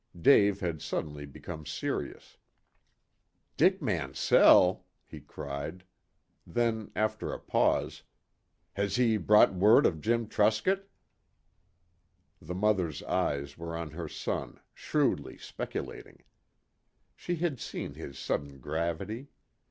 Dave had suddenly become serious. "Dick Mansell!" he cried. Then, after a pause, "Has he brought word of Jim Truscott?" The mother's eyes were on her son, shrewdly speculating. She had seen his sudden gravity.